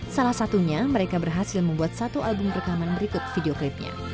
salah satunya mereka berhasil membuat satu album rekaman berikut video klipnya